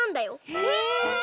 え